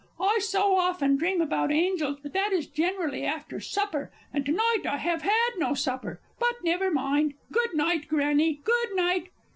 I so often dream about angels but that is generally after supper, and to night I have had no supper.... But never mind.... Good night, Grannie, good night